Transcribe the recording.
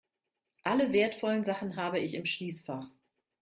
Alle wertvollen Sachen habe ich im Schließfach.